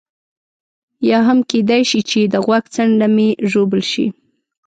یا هم کېدای شي چې د غوږ څنډه مې ژوبل شي.